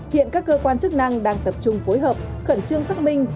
hiện các cơ quan chức năng đang tập trung phối hợp khẩn trương xác minh